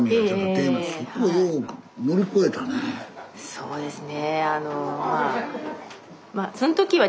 そうですね。